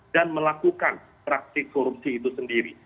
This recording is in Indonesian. dan melakukan praktik korupsi itu sendiri